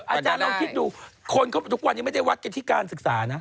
อาจารย์ลองคิดดูคนเขาบอกทุกวันนี้ไม่ได้วัดกันที่การศึกษานะ